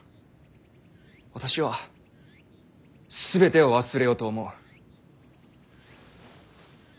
私は全てを忘れようと思う。